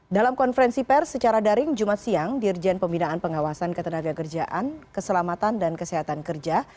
dalam konferensi pers secara daring jumat siang dirjen pembinaan pengawasan ketenaga kerjaan keselamatan dan kesehatan kerja